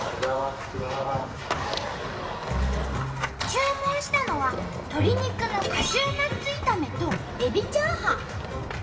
注文したのは鶏肉のカシューナッツ炒めとエビチャーハン。